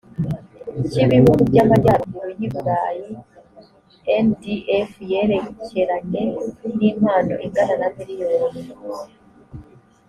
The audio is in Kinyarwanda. cy ibihugu by amajyaruguru y i burayi ndf yerekeranye n impano ingana na miliyoni